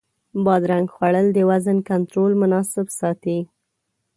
بادرنګ خوړل د وزن کنټرول لپاره مناسب دی.